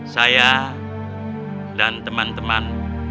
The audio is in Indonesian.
saya dan teman teman